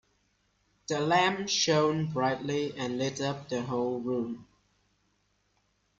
The lamp shone brightly and lit up the whole room.